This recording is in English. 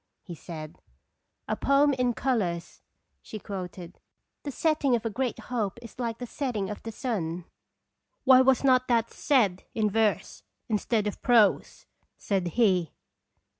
He said :" A poem in colors !" She quoted :*' The setting of a great hope is like the setting of the sun !" "Why was that not said in verse instead of prose?" said he.